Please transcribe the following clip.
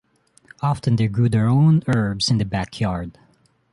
Often they grew their own herbs in the backyard.